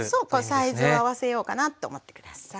サイズを合わせようかなと思って下さい。